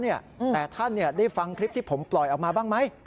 แต่ท่านได้ฟังคลิปที่ผมปล่อยออกมาบ้างไหม